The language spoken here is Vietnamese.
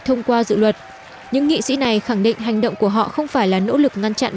thông qua dự luật những nghị sĩ này khẳng định hành động của họ không phải là nỗ lực ngăn chặn